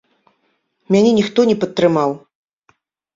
Мяне ніхто не падтрымаў.